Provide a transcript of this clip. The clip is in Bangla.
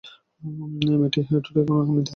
মেয়েটির ঠোঁটের কোণে মৃদু হাসি।